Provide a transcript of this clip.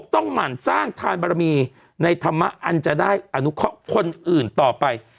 ๖ต้องหวั่นสร้างธารมีในธรรมะอันจะได้อนุข้อคนอื่นต่อไป